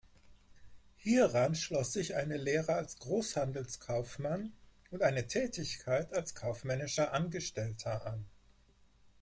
Hieran schloss sich eine Lehre als Großhandelskaufmann und eine Tätigkeit als kaufmännischer Angestellter an.